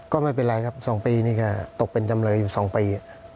ก็ไม่เป็นไรครับ๒ปีนี่ก็ตกเป็นจำเลยอยู่๒ปี